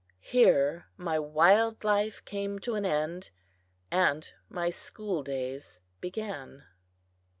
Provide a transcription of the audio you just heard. Here my wild life came to an end, and my school days began.